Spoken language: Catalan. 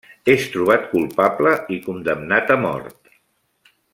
És trobat culpable i condemnat a mort.